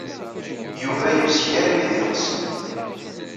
Yuba yebzeg armi d iɣes.